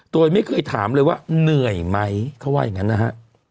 โดยไม่เคยถามเลยว่าเหนื่อยไหมเขาว่าอย่างนั้นนะฮะ